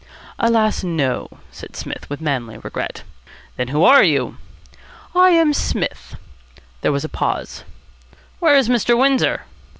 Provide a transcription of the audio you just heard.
"Alas! no," said Psmith with manly regret. "Then who are you?" "I am Psmith." There was a pause. "Where is Mr. Windsor?"